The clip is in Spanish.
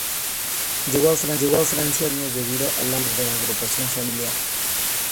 Llegó a Francia con nueve años debido a la reagrupación familiar.